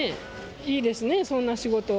いいですね、そんな仕事。